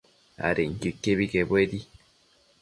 adenquio iquebi quebuedi